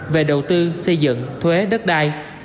về đầu tư xây dựng thuế đất đai